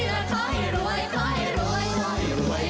ขอให้รวยขอให้รวยขอให้รวยขอให้รวย